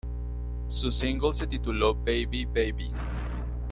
Su single se tituló "Baby Baby".